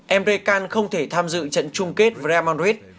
emre kan không thể tham dự trận chung kết real madrid